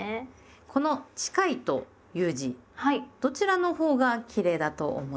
この「近い」という字どちらのほうがきれいだと思いますか？